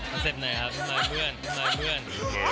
คอนเซ็ปต์ไหนครับมาให้เพื่อน